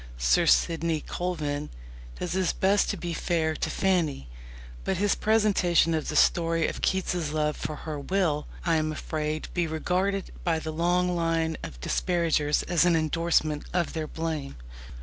Sir Sidney Colvin does his best to be fair to Fanny, but his presentation of the story of Keats's love for her will, I am afraid, be regarded by the long line of her disparagers as an endorsement of their blame.